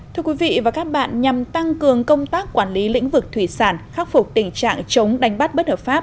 thưa quý vị và các bạn nhằm tăng cường công tác quản lý lĩnh vực thủy sản khắc phục tình trạng chống đánh bắt bất hợp pháp